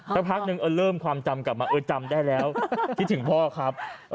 สักพักนึงเริ่มความจำกลับมาเออจำได้แล้วคิดถึงพ่อครับ